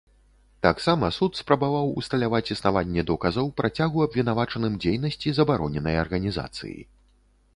Таксама суд спрабаваў усталяваць існаванне доказаў працягу абвінавачаным дзейнасці забароненай арганізацыі.